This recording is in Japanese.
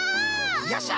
よっしゃ！